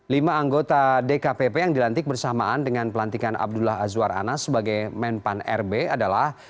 lima anggota dkpp yang dilantik bersamaan dengan pelantikan abdullah azwar anas sebagai menpan rb adalah